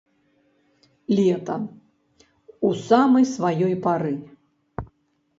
Лета ў самай сваёй пары.